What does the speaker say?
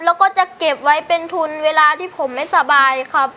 แล้วก็จะเก็บไว้เป็นทุนเวลาที่ผมไม่สบายครับ